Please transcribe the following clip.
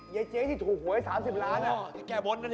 เย้ถูกหวยแต่๓๐ล้านอ๋อ